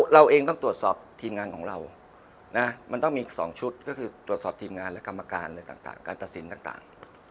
เราเองต้องตรวจสอบทีมงานของเรานะมันต้องมีอีก๒ชุดก็คือตรวจสอบทีมงานและกรรมการอะไรต่างการตัดสินต่าง